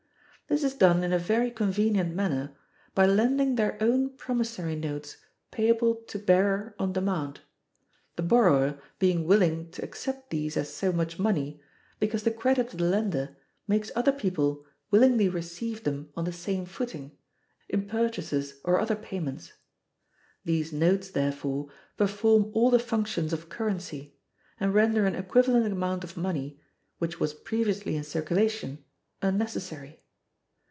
This is done in a very convenient manner by lending their own promissory notes payable to bearer on demand—the borrower being willing to accept these as so much money, because the credit of the lender makes other people willingly receive them on the same footing, in purchases or other payments. These notes, therefore, perform all the functions of currency, and render an equivalent amount of money, which was previously in circulation, unnecessary.